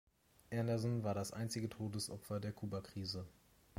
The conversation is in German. Anderson war das einzige Todesopfer der Kubakrise.